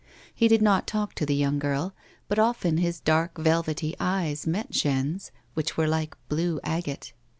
He did not talk to the young girl, but often his dark, velvety eyes met Jeanne's, which were like blue agate.